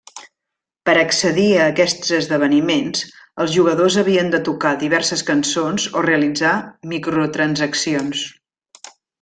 Per accedir a aquests esdeveniments, els jugadors havien de tocar diverses cançons o realitzar microtransaccions.